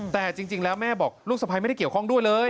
แต่จริงแล้วแม่บอกลูกสะพ้ายไม่ได้เกี่ยวข้องด้วยเลย